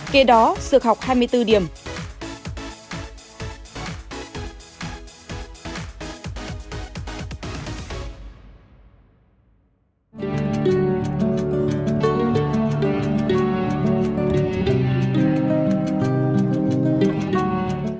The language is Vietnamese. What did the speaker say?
kế đó sự học hai mươi bốn điểm